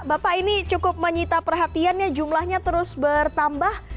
bapak ini cukup menyita perhatiannya jumlahnya terus bertambah